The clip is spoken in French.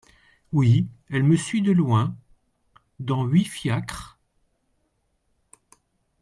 Oui… elle me suit de loin… dans huit fiacres…